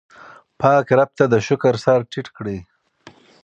پاک رب ته د شکر سر ټیټ کړئ.